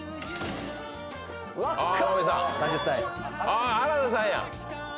あ原田さんや。